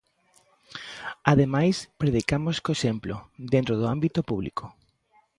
Ademais, predicamos co exemplo, dentro do ámbito público.